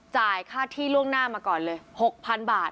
จ่ายค่าที่ล่วงหน้ามาก่อนเลย๖๐๐๐บาท